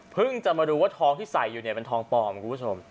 เพิ่งจะมาดูว่าทองที่ใส่อยู่เป็นทองปลอมคุณผู้ชม